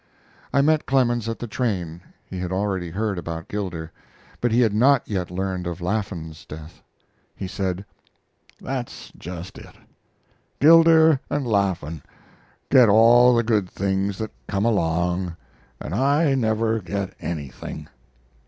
I met Clemens at the train. He had already heard about Gilder; but he had not yet learned of Laffan's death. He said: "That's just it. Gilder and Laffan get all the good things that come along and I never get anything."